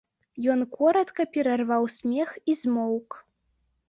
Ён коратка перарваў смех і змоўк.